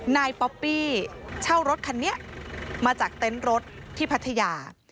ป๊อปปี้เช่ารถคันนี้มาจากเต็นต์รถที่พัทยา